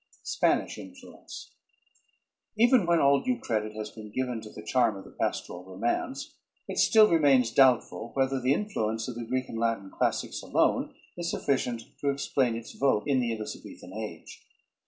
Spanish Influence. Even when all due credit has been given to the charm of the pastoral romance, it still remains doubtful whether the influence of the Greek and Latin classics alone is sufficient to explain its vogue in the Elizabethan age.